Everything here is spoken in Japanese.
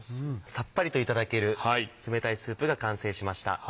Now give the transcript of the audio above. さっぱりといただける冷たいスープが完成しました。